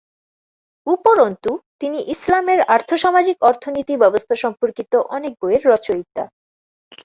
উপরন্তু, তিনি ইসলামের আর্থ-সামাজিক-অর্থনীতি ব্যবস্থা সম্পর্কিত অনেক বইয়ের রচয়িতা।